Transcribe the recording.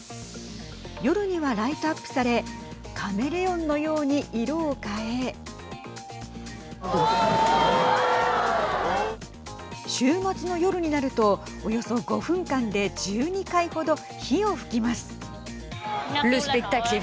夜にはライトアップされカメレオンのように色を変え週末の夜になるとおよそ５分間で１２回程火を噴きます。